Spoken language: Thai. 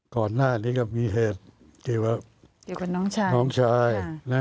ก่อนหน้านี้ก็มีเหตุเกี่ยวกับน้องชาย